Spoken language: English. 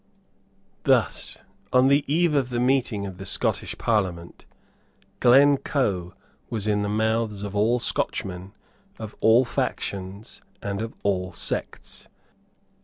Thus, on the eve of the meeting of the Scottish Parliament, Glencoe was in the mouths of all Scotchmen of all factions and of all sects.